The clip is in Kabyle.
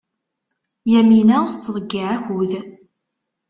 Yamina tettḍeyyiɛ akud.